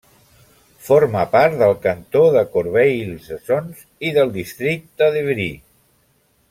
Forma part del cantó de Corbeil-Essonnes i del districte d'Évry.